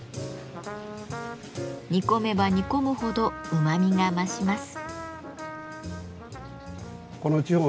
煮込めば煮込むほどうまみが増します。